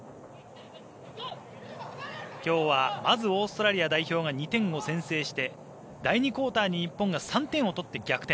今日はまずオーストラリア代表が２点を先制して第２クオーターに日本が３点を取って逆転。